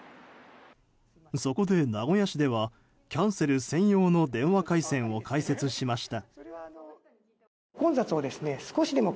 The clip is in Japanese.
そこで名古屋市ではキャンセル専用の電話回線を開設しました。